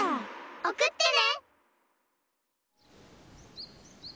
おくってね！